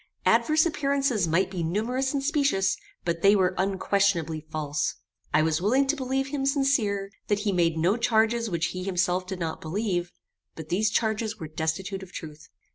Adverse appearances might be numerous and specious, but they were unquestionably false. I was willing to believe him sincere, that he made no charges which he himself did not believe; but these charges were destitute of truth.